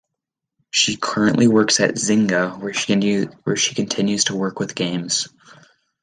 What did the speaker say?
She currently works at Zynga, where she continues to work with games.